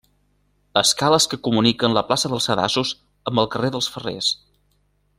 Escales que comuniquen la plaça dels Sedassos amb el carrer dels Ferrers.